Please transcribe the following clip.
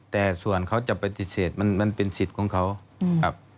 แต่ส่วนเขาจะปฏิเสธมันเป็นสิทธิ์ของเขาครับ